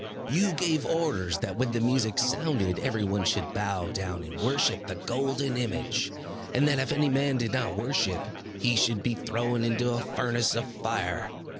You gave orders that when the music sounded, every one should bow down and worship the golden image; and that if any man did not worship, he should be thrown into a furnace of fire.